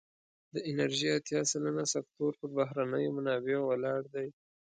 د انرژی اتیا سلنه سکتور پر بهرنیو منابعو ولاړ دی.